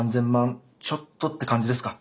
ちょっとって感じですか？